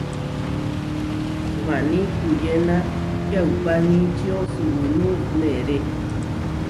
Waní puyéna yaupamíčio suunú meeré.